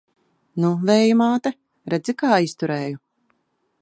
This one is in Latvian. Nu, Vēja māte, redzi, kā izturēju!